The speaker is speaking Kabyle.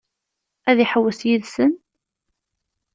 Ad iḥewwes yid-sen?